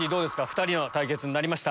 ２人の対決になりました。